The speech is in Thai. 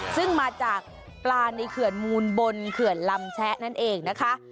ซึ่งมาจากปลาในเขื่อนมูลบนเขื่อนลำแชะนั่นเองนะคะ